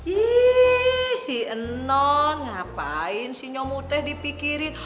ih si nol ngapain si nyomuteh dipikirin